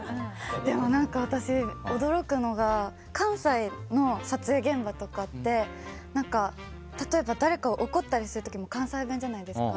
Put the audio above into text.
でも、私驚くのが関西の撮影現場とかって何か、例えば誰かを怒ったりする時も関西弁じゃないですか。